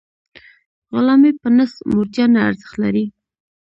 غلامي په نس موړتیا نه ارزښت نلري.